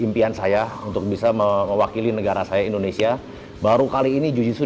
pada agustus dua ribu lima belas